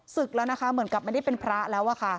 ศึกแล้วนะคะเหมือนกับไม่ได้เป็นพระแล้วอะค่ะ